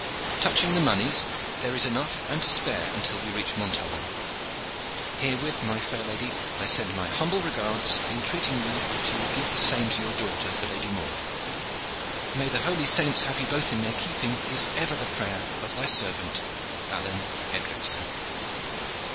Touching the moneys, there is enough and to spare until we reach Montaubon. Herewith, my fair lady, I send my humble regards, entreating you that you will give the same to your daughter, the Lady Maude. May the holy saints have you both in their keeping is ever the prayer of thy servant, "ALLEYNE EDRICSON."